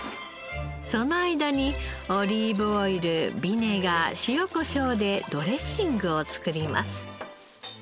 その間にオリーブオイルビネガー塩こしょうでドレッシングを作ります。